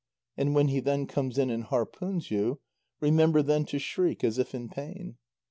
And when he then comes in and harpoons you, remember then to shriek as if in pain."